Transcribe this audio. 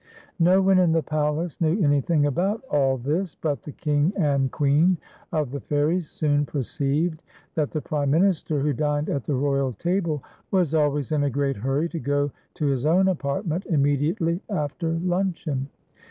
No one in the palace knew anything about all this, but the King and Queen of the Fairies soon perceived that the prime minister who dined at the royal table, was always in a great hurry to go to his own apartment immediately after luncheon.